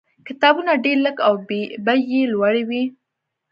کتابونه ډېر لږ او بیې یې لوړې وې.